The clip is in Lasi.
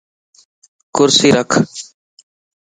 ڪرسي رک